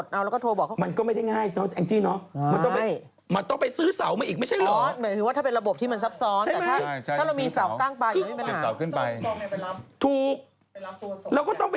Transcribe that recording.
แล้วก็ต้องไปจ้างช่างมาติดใช่ไหม